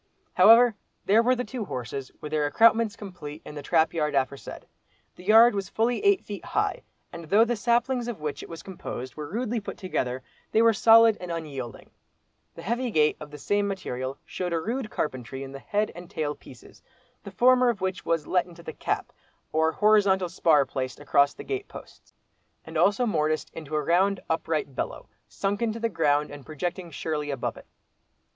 However there were the two horses with their accoutrements complete, in the trap yard aforesaid. The yard was fully eight feet high, and though the saplings of which it was composed were rudely put together, they were solid and unyielding. The heavy gate of the same material showed a rude carpentry in the head and tail pieces, the former of which was "let into the cap" or horizontal spar placed across the gate posts, and also morticed into a round upright below, sunk into the ground and projecting securely above it.